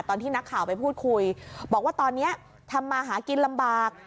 ตอนที่นักข่าวไปพูดคุยบอกว่าตอนนี้ทำมาหากินลำบาก